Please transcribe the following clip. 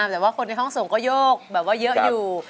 แต่ว่าคนในห้องส่งก็โยกแบบว่าเยอะอยู่